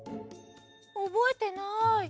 おぼえてない。